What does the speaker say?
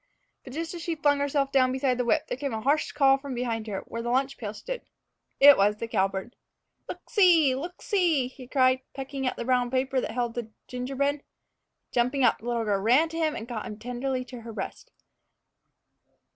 But just as she flung herself down beside the whip, there came a harsh call from behind her, where the lunch pail stood. It was the cowbird. "Look see! look see!" he cried, pecking at the brown paper that held the gingerbread. Jumping up, the little girl ran to him and caught him tenderly to her breast.